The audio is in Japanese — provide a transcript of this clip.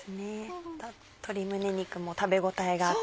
鶏胸肉も食べ応えがあって。